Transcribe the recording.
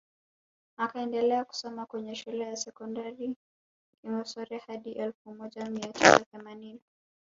Akaendelea kusoma kwenye Shule ya Sekondari Kigonsera hadi elfu moja mia tisa themanini